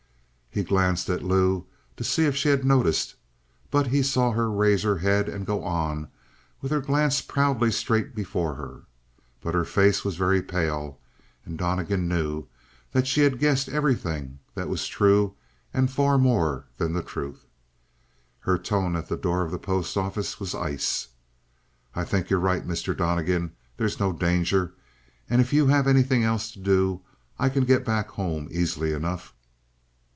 He glanced at Lou to see if she had noticed, and he saw her raise her head and go on with her glance proudly straight before her; but her face was very pale, and Donnegan knew that she had guessed everything that was true and far more than the truth. Her tone at the door of the post office was ice. "I think you are right, Mr. Donnegan. There's no danger. And if you have anything else to do, I can get back home easily enough."